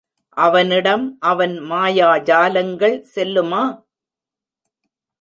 அவனிடம் அவன் மாயாஜாலங்கள் செல்லுமா?